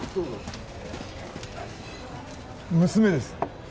娘です